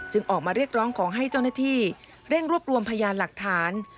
ออกมาเรียกร้องขอให้เจ้าหน้าที่เร่งรวบรวมพยานหลักฐาน